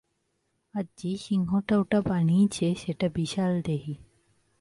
আর যে সিংহটা ওটা বানিয়েছে সেটা বিশালদেহী।